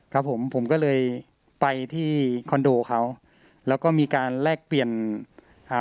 ครับผมผมก็เลยไปที่คอนโดเขาแล้วก็มีการแลกเปลี่ยนอ่า